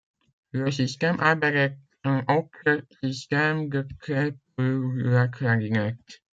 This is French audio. Le système Albert est un autre système de clef pour la clarinette.